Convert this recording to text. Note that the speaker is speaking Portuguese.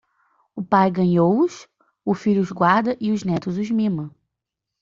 O pai ganhou-os, o filho os guarda e o neto os mima.